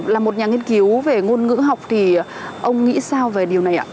là một nhà nghiên cứu về ngôn ngữ học thì ông nghĩ sao về điều này ạ